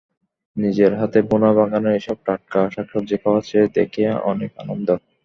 নিজের হাতে বোনা বাগানের এসব টাটকা শাকসবজি খাওয়ার চেয়ে দেখেই অনেক আনন্দ।